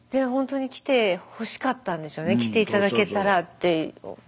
ほんとに来てほしかったんでしょうね来て頂けたらって。